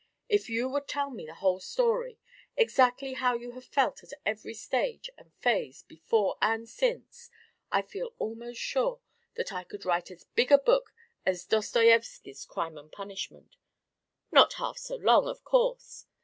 If you would tell me the whole story, exactly how you have felt at every stage and phase before and since, I feel almost sure that I could write as big a book as Dostoiewsky's "Crime and Punishment" not half so long, of course.